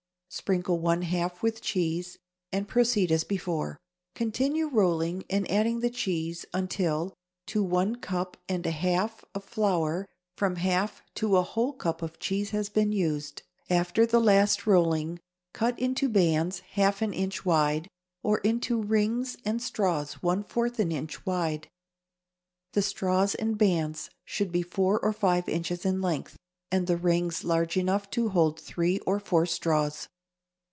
Sprinkle one half with cheese and proceed as before. Continue rolling and adding the cheese, until, to one cup and a half of flour, from half to a whole cup of cheese has been used. After the last rolling, cut into bands half an inch wide, or into rings and straws one fourth an inch wide. The straws and bands should be four or five inches in length, and the rings large enough to hold three or four straws.